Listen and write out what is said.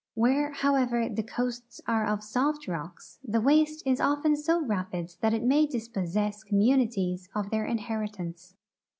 Where, however, the coasts are of soft rocks, the waste is often so rapid that it may dispossess communities of their in heritance.